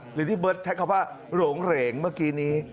หรือที่เบิร์ตใช้คำว่าหลงเหรงเมื่อกี้นี้